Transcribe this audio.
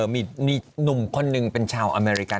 มีหนุ่มคนหนึ่งเป็นชาวอเมริกา